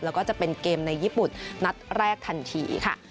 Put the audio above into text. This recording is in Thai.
แล้วก็จะเป็นเกมในญี่ปุ่นนัดแรกทันทีค่ะ